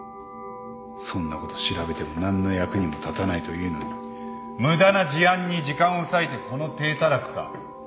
そんなこと調べても何の役にも立たないというのに無駄な事案に時間を割いてこの体たらくか。